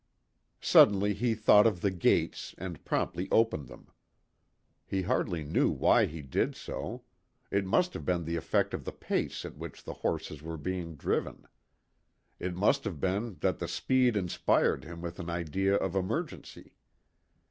Suddenly he thought of the gates, and promptly opened them. He hardly knew why he did so. It must have been the effect of the pace at which the horses were being driven. It must have been that the speed inspired him with an idea of emergency.